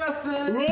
うわ！